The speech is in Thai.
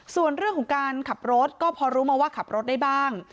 ส่วนเรื่องของการขับรถก็พอรู้มาว่าขับรถได้บ้าง